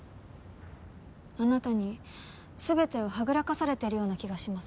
あなたに全てをはぐらかされてるような気がします。